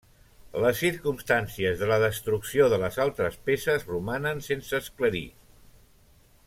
Les circumstàncies de la destrucció de les altres peces romanen sense esclarir.